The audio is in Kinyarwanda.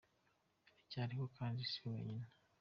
Baracyariho kandi si we wenyine.